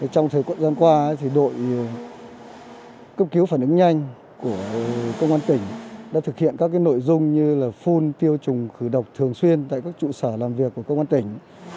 trong thời gian qua đội cấp cứu phản ứng nhanh của công an tỉnh đã thực hiện các nội dung như là phun tiêu trùng khử độc thường xuyên tại các trụ sở làm việc của công an tỉnh